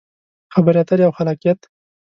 خبرې اترې او خلاقیت: